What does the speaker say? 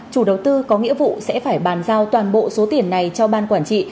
chủ đầu tư có nghĩa vụ sẽ phải bàn giao toàn bộ số tiền này cho ban quản trị